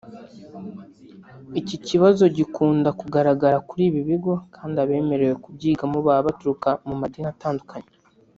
Iki kibazo gikunda kugaragara kuri ibi bigo kandi abemerewe kubyigamo baba baturuka mu madini atandukanye